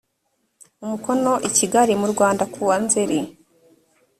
umukono i kigali mu rwanda kuwa nzeri